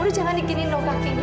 udah jangan dikini dong kakinya